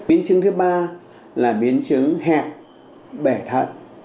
biến chứng thứ ba là biến chứng hẹp bể thận